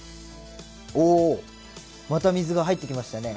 おおまた水が入ってきましたね。